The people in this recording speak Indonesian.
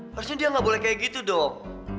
harusnya dia gak boleh kayak gitu dong